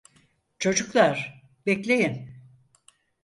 Çocuklar, bekleyin.